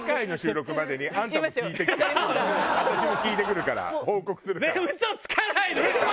私も聞いてくるから報告するから。